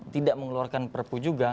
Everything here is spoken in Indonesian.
tidak mengeluarkan perpu juga